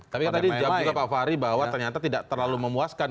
tapi kan tadi jawab juga pak fahri bahwa ternyata tidak terlalu memuaskan